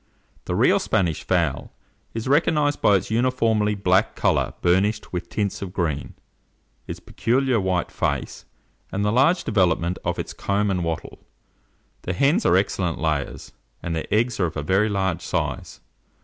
] BLACK SPANISH. The real Spanish fowl is recognized by its uniformly black colour burnished with tints of green; its peculiar white face, and the large development of its comb and wattle. The hens are excellent layers, and their eggs are of a very large size.